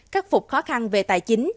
khắc phục khó khăn về tài chính